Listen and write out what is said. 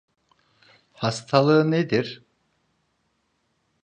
Hastalığı nedir?